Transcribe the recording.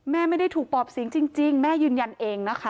แม่ไม่ได้ถูกปอบสิงจริงแม่ยืนยันเองนะคะ